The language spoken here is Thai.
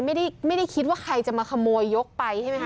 ไม่ได้คิดว่าใครจะมาขโมยยกไปใช่ไหมคะ